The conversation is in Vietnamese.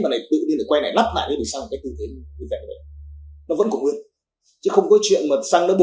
nó vẫn còn nguyên